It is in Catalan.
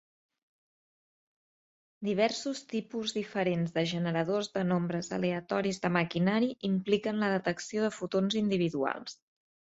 Diversos tipus diferents de generadors de nombres aleatoris de maquinari impliquen la detecció de fotons individuals.